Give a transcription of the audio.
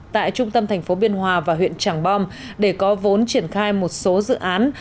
tại trung tâm thành phố biên hòa và huyện tràng bom để có vốn triển khai một số dự án